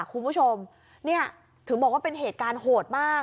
คุณผู้ชมเนี่ยถึงบอกว่าเป็นเหตุการณ์โหดมาก